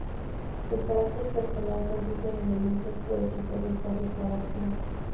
El caracter personal consiste en elementos o equipos necesarios para actuar.